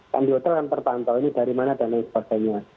kan di hotel kan terpantau ini dari mana dana istilahnya